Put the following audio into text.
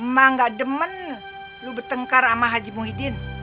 mak gak demen lo bertengkar sama haji muhyiddin